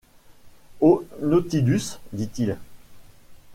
Au Nautilus, » dit-il.